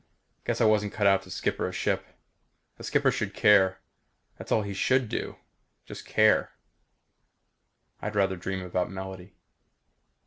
Guess I wasn't cut out to skipper a ship. A skipper should care. That's all he should do. Just care. I'd rather dream about Melody.